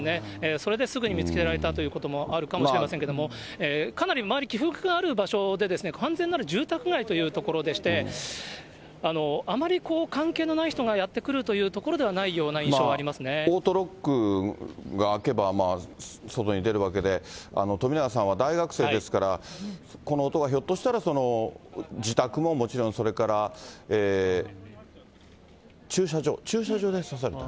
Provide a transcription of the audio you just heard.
それですぐに見つけられたということもあるかもしれませんけれども、かなり周り、起伏がある場所で、完全なる住宅街という所でして、あまりこう、関係のない人がやって来るという所ではないようオートロックが開けば、外に出るわけで、冨永さんは大学生ですから、この男がひょっとしたら、自宅ももちろん、それから駐車場、駐車場で刺された？